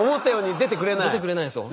出てくれないんですよ。